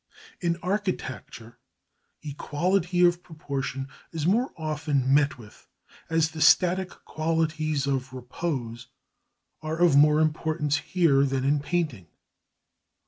In architecture equality of proportion is more often met with, as the static qualities of repose are of more importance here than in painting.